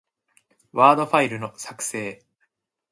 ワードファイルの、作成